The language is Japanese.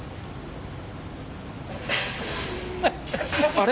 あれ？